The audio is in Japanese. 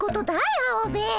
アオベエ。